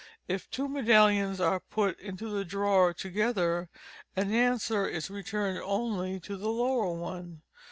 If two medallions are put into the drawer together, an answer is returned only to the lower one.